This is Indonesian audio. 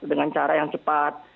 dengan cara yang cepat